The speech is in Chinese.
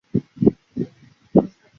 心里觉得有点凄凉